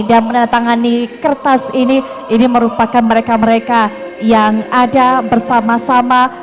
dan menandatangani kertas ini ini merupakan mereka mereka yang ada bersama sama